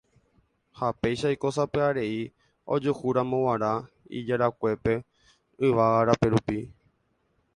ha péicha oiko sapy'arei ojuhúramo g̃uarã ijarakuépe yvága rape rupi.